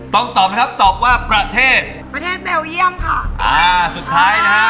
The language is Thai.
ต้องตอบนะครับตอบว่าประเทศประเทศเบลเยี่ยมค่ะอ่าสุดท้ายนะฮะ